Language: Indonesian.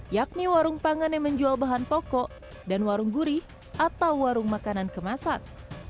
yakni warung pangan yang menjual bahan pokok dan warung guri atau warung makanan kemasan